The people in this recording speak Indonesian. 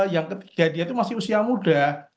yang ketiga dia itu masih usia muda